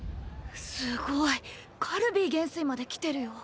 すごいカルヴィ元帥まで来てるよ。